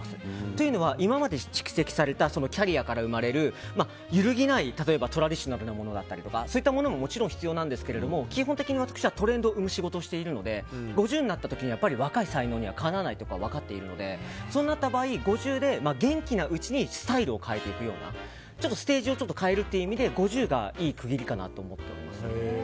というのは、今まで蓄積されたキャリアから生まれるゆるぎない、例えばトラディショナルなものだったりそういったものももちろん必要なんですけど基本的に私はトレンドを生む仕事をしているので５０になった時に若い才能にはかなわないと分かっているのでそうなった場合５０で元気なうちにスタイルを変えていくようなステージを変えるという意味で５０がいい区切りかなと思っております。